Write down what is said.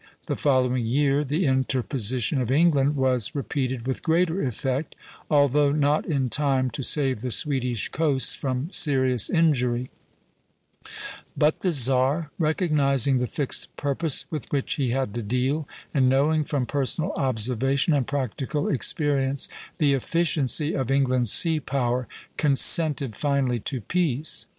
The following year the interposition of England was repeated with greater effect, although not in time to save the Swedish coasts from serious injury; but the czar, recognizing the fixed purpose with which he had to deal, and knowing from personal observation and practical experience the efficiency of England's sea power, consented finally to peace.